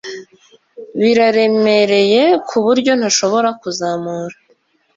Biraremereye kuburyo ntashobora kuzamura